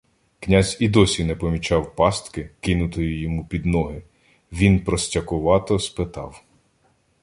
Князь і досі не помічав пастки, кинутої йому під ноги. Він простякувато спитав: